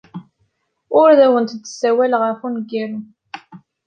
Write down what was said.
Ur awent-d-ssawaleɣ ɣef wemgaru.